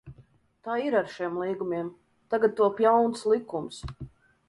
Tā ir ar šiem līgumiem, tagad top jauns likums.